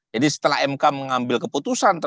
setelah mk mengambil keputusan